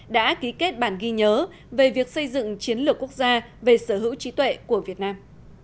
đã ký kết bản ghi nhớ về việc xây dựng chiến lược quốc gia về sở hữu trí tuệ của việt nam